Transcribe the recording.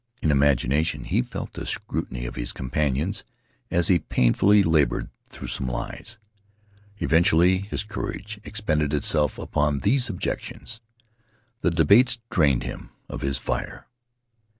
In imagination he felt the scrutiny of his companions as he painfully labored through some lies. Eventually, his courage expended itself upon these objections. The debates drained him of his fire.